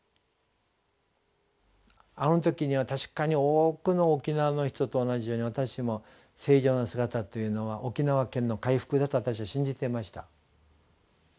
あの時には確かに多くの沖縄の人と同じように私も正常な姿というのは「沖縄県の回復だ」と私は信じてました。